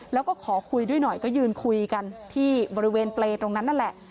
แล้วก็ขอคุยด้วยหน่อยก็ยืนคุยกันที่บริเวณเปรย์ตรงนั้นนั่นแหละ